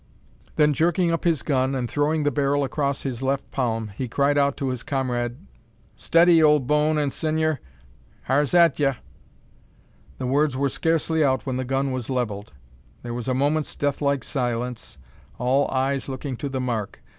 Then, jerking up his gun, and throwing the barrel across his left palm, he cried out to his comrade "Steady, ole bone an' sinyer! hyar's at ye!" The words were scarcely out when the gun was levelled. There was a moment's death like silence, all eyes looking to the mark.